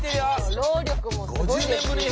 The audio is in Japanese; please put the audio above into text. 労力もすごいですし。